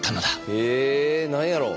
へえ何やろ。